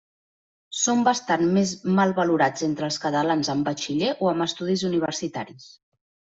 Són bastant més mal valorats entre els catalans amb batxiller o amb estudis universitaris.